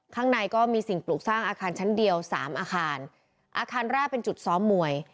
ข้างในก็มีสิ่งปลูกสร้างอาคารชั้นเดียวสามอาคารอาคารแรกเป็นจุดซ้อมมวย